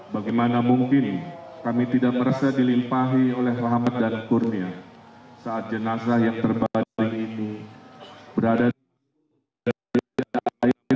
bagaimana mungkin kami tidak merasa dilimpahi oleh rahmat dan kurnia saat jenazah yang terbanding ini berada di dunia ini